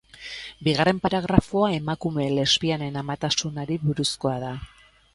Bigarren paragrafoa emakume lesbianen amatasunari buruzkoa da.